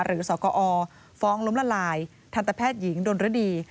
หรือศคเอฟ้องล้มละลายทันตะแพทย์หญิงดนรดี